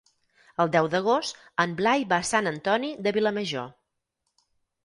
El deu d'agost en Blai va a Sant Antoni de Vilamajor.